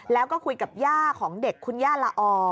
แล้วก็คุยกับย่าของเด็กคุณย่าละอ